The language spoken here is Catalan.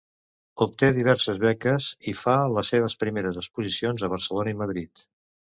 Obté diverses beques i fa les seves primeres exposicions a Barcelona i Madrid.